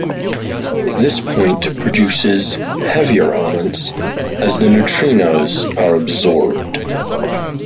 This point produces heavier elements as the neutrinos are absorbed.